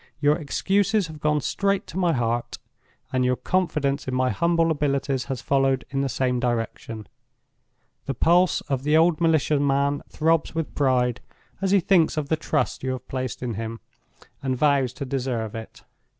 Your excuses have gone straight to my heart; and your confidence in my humble abilities has followed in the same direction. The pulse of the old militia man throbs with pride as he thinks of the trust you have placed in him, and vows to deserve it.